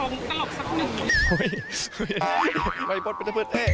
งั้นเราลองชมตลกสักหนึ่ง